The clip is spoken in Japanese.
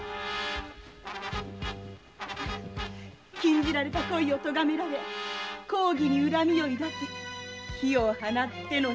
禁じられた恋を咎められ公儀に恨みを抱き火を放っての心中。